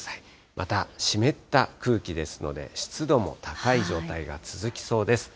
また湿った空気ですので、湿度も高い状態が続きそうです。